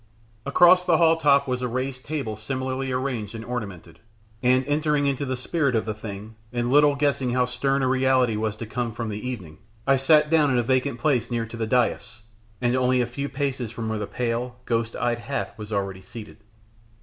Across the hall top was a raised table similarly arranged and ornamented; and entering into the spirit of the thing, and little guessing how stern a reality was to come from the evening, I sat down in a vacant place near to the dais, and only a few paces from where the pale, ghost eyed Hath was already seated.